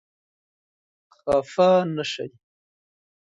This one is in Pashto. خفه نه شئ !